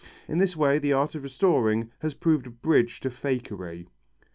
In this way the art of restoring has proved a bridge to fakery.